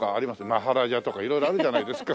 マハラジャとか色々あるじゃないですか。